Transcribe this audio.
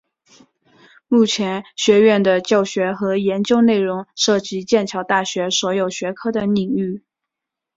目前学院的教学和研究内容涉及剑桥大学所有学科的领域。